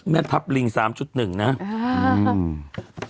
แม่ทัพลิงสามจุดหนึ่งนะครับ